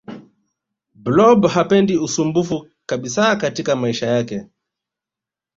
blob hapendi ususmbufu kabisa katika maisha yake